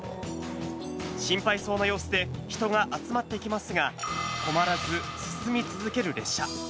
心配そうな様子で、人が集まってきますが、止まらず、進み続ける列車。